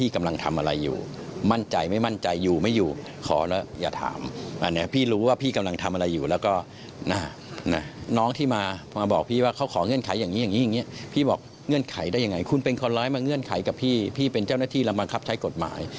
คุณไม่ต้องมามีเงื่อนไขกับพี่พี่เป็นเจ้าหน้าที่บังคับใช้กฎหมาย